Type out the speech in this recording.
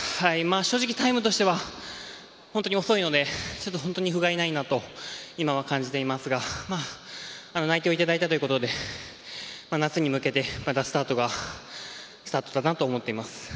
正直、タイムとしては本当に遅いので本当にふがいないなと今は感じていますが内定をいただいたということで夏に向けてまたスタートだなと思っています。